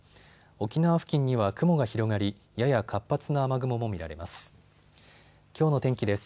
沖縄付近には雲が広がりやや活発な雨雲も見られます。